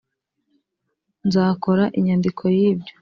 nzakora inyandiko yibyo.